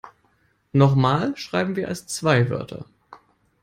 Noch mal schreiben wir als zwei Wörter.